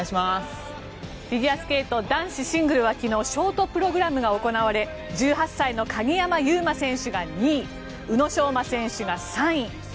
フィギュアスケート男子シングルは昨日ショートプログラムが行われ１８歳の鍵山優真選手が２位宇野昌磨選手が３位。